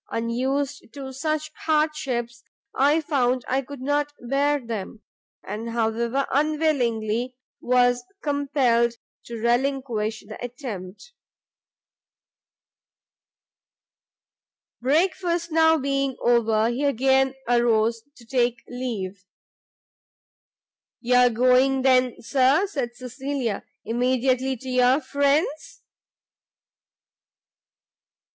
unused to such hardships, I found I could not bear them, and, however unwillingly, was compelled to relinquish the attempt." Breakfast now being over, he again arose to take leave. "You are going, then, Sir," said Cecilia, "immediately to your friends?"